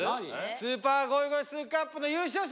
スーパーゴイゴイスーカップの。